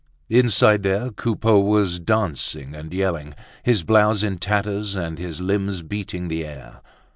Inside there Coupeau was dancing and yelling, his blouse in tatters and his limbs beating the air.